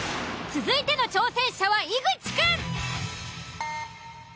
続いての挑戦者は井口くん。